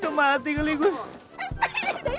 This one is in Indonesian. udah mati kali gue